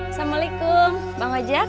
assalamualaikum mbak wajah